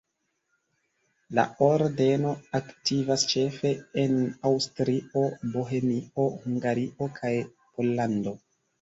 La ordeno aktivas ĉefe en Aŭstrio, Bohemio, Hungario kaj Pollando.